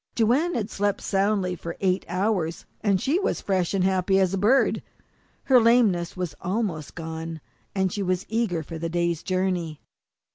Joanne had slept soundly for eight hours, and she was as fresh and as happy as a bird. Her lameness was almost gone, and she was eager for the day's journey.